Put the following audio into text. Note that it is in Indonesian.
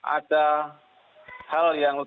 ada hal yang